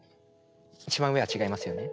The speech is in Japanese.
一番上は違いますよね？